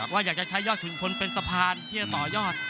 ว่าอยากจะใช้ยอดขุนพลเป็นสะพานที่จะต่อยอด